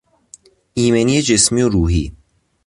ایمنی جسمی و روحی